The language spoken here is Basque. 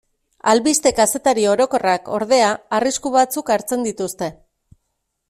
Albiste-kazetari orokorrak, ordea, arrisku batzuk hartzen dituzte.